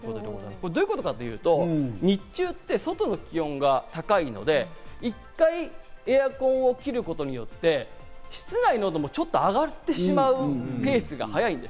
どういうことかというと、日中って外の気温が高いので１回エアコンを切ることによって、室内の温度もちょっと上がってしまうペースが速い。